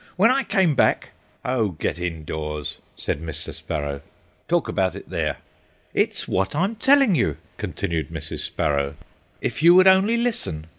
When I came back—" "Oh, get indoors," said Mr. Sparrow, "talk about it there." "It's what I'm telling you," continued Mrs. Sparrow, "if you would only listen.